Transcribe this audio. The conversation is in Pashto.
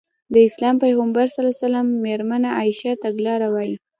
د اسلام پيغمبر ص مېرمنه عايشه تګلاره وايي.